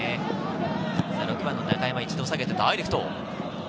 ６番・中山、一度下げてダイレクト。